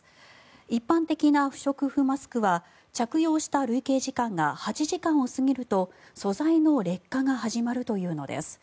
一般的な不織布マスクは着用した累計時間が８時間を過ぎると素材の劣化が始まるというのです。